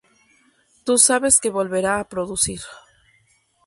Tú sabes que volverá a producir...